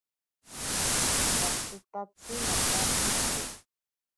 Katsitatsi notapiki.